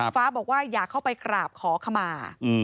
ฟ้าบอกว่าอยากเข้าไปกราบขอขมา